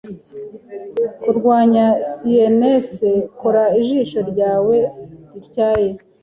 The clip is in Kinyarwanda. Kurwanya Sienese kora ijisho ryawe rityaye